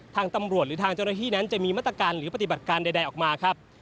ทางตำรวจหรือทางเจ้าหน้าที่นั้นจะมีมาตรการหรือปฏิบัติการใดออกมาครับ